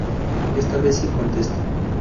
Esta vez sí contesta.